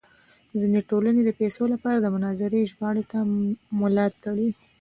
ځینې ټولنې د پیسو لپاره د مناظرې ژباړې ته ملا تړي.